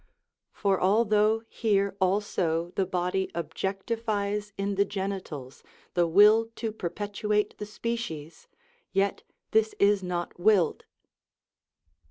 For although here also the body objectifies in the genitals the will to perpetuate the species, yet this is not willed.